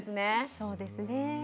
そうですね。